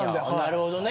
なるほどね。